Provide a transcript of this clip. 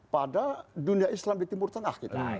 pada dunia islam di timur tengah gitu